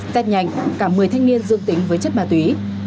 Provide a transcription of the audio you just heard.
test nhanh cả một mươi thanh niên dương tính với chất ma túy